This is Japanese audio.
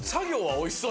おいしそう。